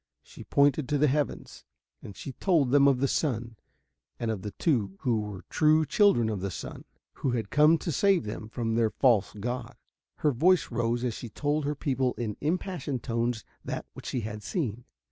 She pointed to the heavens, and she told them of the sun and of the two who were true children of the sun, who had come to save them from their false god. Her voice rose as she told her people in impassioned tones that which she had seen.